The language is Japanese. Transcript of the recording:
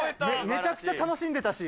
めちゃくちゃ楽しんでたし。